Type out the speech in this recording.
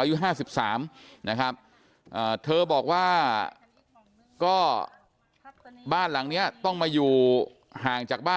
อายุ๕๓นะครับเธอบอกว่าก็บ้านหลังนี้ต้องมาอยู่ห่างจากบ้าน